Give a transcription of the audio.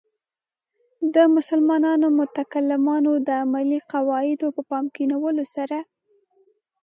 د مسلمانو متکلمانو د علمي قواعدو په پام کې نیولو سره.